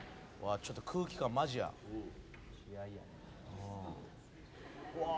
ちょっと空気感マジや。